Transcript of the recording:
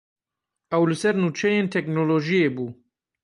Ew li ser nûçeyên teknolojiyê bû.